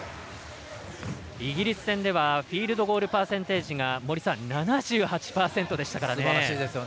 イギリス戦ではフィールドゴールパーセンテージ７８％でしたからね。